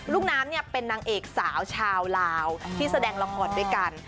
ลูกน้ำเนี่ยเป็นนางเอกสาวชาวลาวที่แสดงละครด้วยกัน